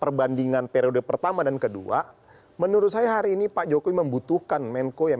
perbandingan periode pertama dan kedua menurut saya hari ini pak jokowi membutuhkan menko yang